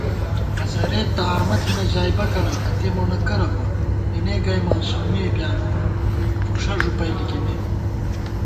اڅَھرېت تہ آمہ تھنہ ژائےبَکَنہ اِتےمونہ کرہ بوت * تېنےگَئیماں سومّےپیانون فُݭہ ݫُپی ݪِکِمېت